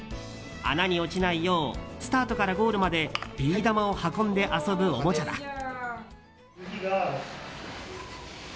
穴に落ちないようスタートからゴールまでビー玉を運んで遊ぶおもちゃだ。